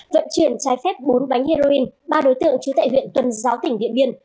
vận chuyển trái phép bốn bánh heroin ba đối tượng trú tại huyện tuần giáo tỉnh điện biên